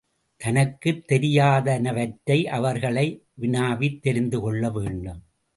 தனக்குத் தெரியாதனவற்றை அவர்களை வினாவித் தெரிந்து கொள்ள வேண்டும்.